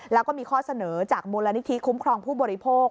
แล้วก็มีข้อเสนอจากมูลนิธิคุ้มครองผู้บริโภค